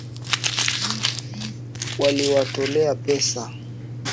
Waliwatolea pesa.